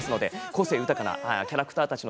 個性豊かなキャラクターたち